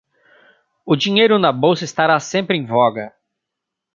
O dinheiro na bolsa estará sempre em voga.